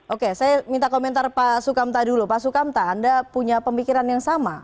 oke saya minta komentar pak sukamta dulu pak sukamta anda punya pemikiran yang sama